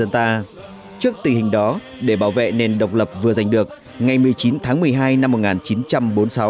trước tình hình đó để bảo vệ nền độc lập vừa giành được ngày một mươi chín tháng một mươi hai năm một nghìn chín trăm bốn mươi sáu